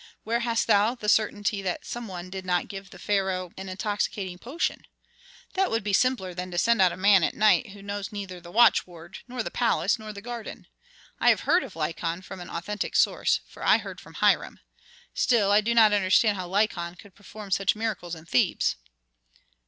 Where hast thou the certainty that some one did not give the pharaoh an intoxicating potion? That would be simpler than to send out a man at night who knows neither the watchword, nor the palace, nor the garden. I have heard of Lykon from an authentic source, for I heard from Hiram. Still, I do not understand how Lykon could perform such miracles in Thebes."